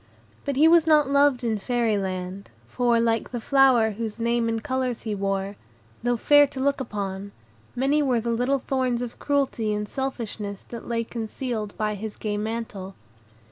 But he was not loved in Fairy Land, for, like the flower whose name and colors he wore, though fair to look upon, many were the little thorns of cruelty and selfishness that lay concealed by his gay mantle.